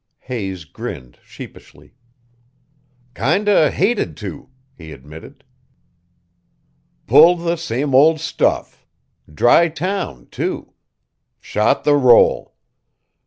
Hayes grinned sheepishly. "Kinda hated to," he admitted. "Pulled the same old stuff dry town, too. Shot the roll.